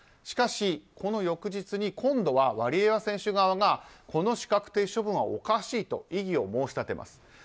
しかし、この翌日に今度はワリエワ選手側がこの資格停止処分はおかしいと異議を申し立てます。